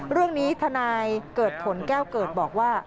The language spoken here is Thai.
เรื่องนี้ทนายเกิดผลแก้วเกิดบอกว่า